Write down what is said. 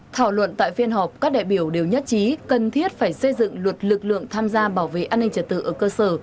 thảo luận tại phiên họp các đại biểu đều nhất trí cần thiết phải xây dựng luật lực lượng tham gia bảo vệ an ninh trật tự ở cơ sở